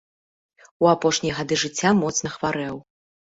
У апошнія гады жыцця моцна хварэў.